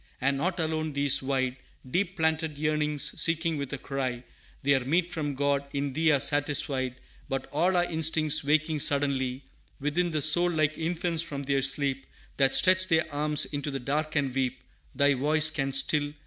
"And not alone these wide, Deep planted yearnings, seeking with a cry Their meat from God, in Thee are satisfied; But all our instincts waking suddenly Within the soul, like infants from their sleep That stretch their arms into the dark and weep, Thy voice can still.